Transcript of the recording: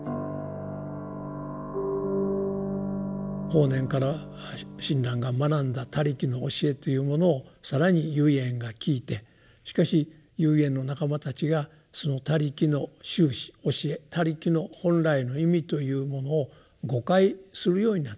法然から親鸞が学んだ「他力」の教えというものを更に唯円が聞いてしかし唯円の仲間たちがその「他力」の宗旨教え「他力」の本来の意味というものを誤解するようになってくると。